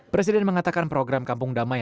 presiden mengatakan program kampung damai